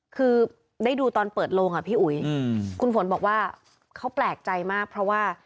คือได้ดูตอนเปิดโลงอ่ะพี่อุ๋ยคุณฝนบอกว่าเขาแปลกใจมากเพราะว่า